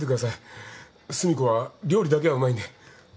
寿美子は料理だけはうまいんで。